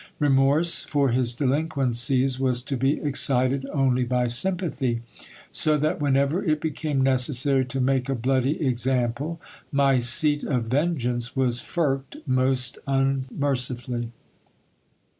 Remorse for his delinquencies was to be excited only by sympathy ; so that whenever it became necessary to make a bloody example, my seat of vengeance was firked most unmercifully.